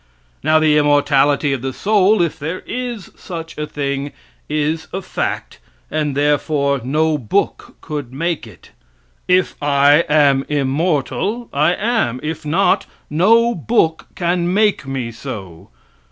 Now, the immortality of the soul, if there is such a thing, is a fact, and therefore no book could make it. If I am immortal, I am; if not, no book can make me so.